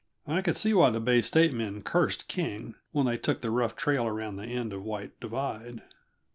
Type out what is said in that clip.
I could see why the Bay State men cursed King when they took the rough trail around the end of White Divide.